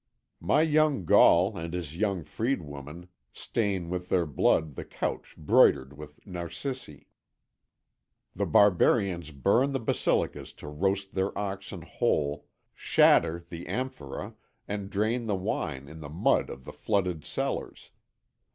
My young Gaul and his young freed woman stain with their blood the couch broidered with narcissi. The barbarians burn the basilicas to roast their oxen whole, shatter the amphoræ, and drain the wine in the mud of the flooded cellars.